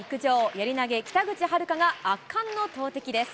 やり投げ、北口榛花が圧巻の投てきです。